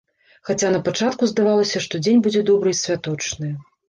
Хаця напачатку здавалася, што дзень будзе добры і святочны.